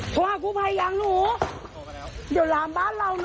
จากมาคูะท่าปืยอย่างหนูบ้านโอะพิน